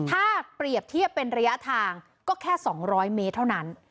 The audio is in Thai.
ถ้าเปรียบเทียบเป็นระยะทางก็แค่๒๐๐เมตรเท่านั้น